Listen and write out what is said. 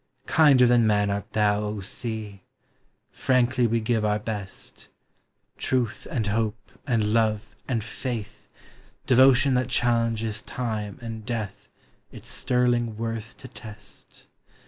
Kinder than man art thou, sea; Frankly we give our best, Truth, and hope, and love, and faith, Devotion that challenges time and death Its sterling worth to test.